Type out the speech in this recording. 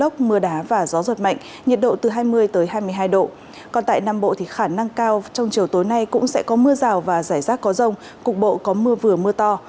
còn tại nam bộ thì khả năng cao trong chiều tối nay cũng sẽ có mưa rào và rải rác có rông cục bộ có mưa vừa mưa to